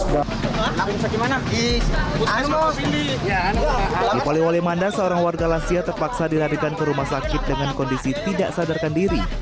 di poliwali manda seorang warga lansia terpaksa dilarikan ke rumah sakit dengan kondisi tidak sadarkan diri